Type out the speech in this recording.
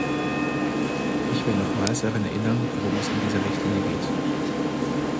Ich will nochmals daran erinnern, worum es in dieser Richtlinie geht.